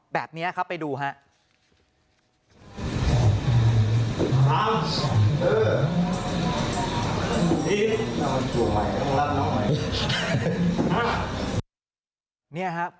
แบบนี้อะครับไปดูฮะ